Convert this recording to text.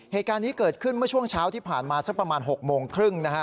เหตุการณ์นี้เกิดขึ้นเมื่อช่วงเช้าที่ผ่านมาสักประมาณ๖โมงครึ่งนะฮะ